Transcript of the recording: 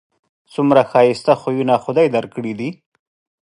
څومره ښایسته خویونه خدای در کړي دي